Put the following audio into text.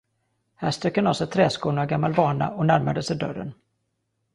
Här strök han av sig träskorna av gammal vana och närmade sig dörren.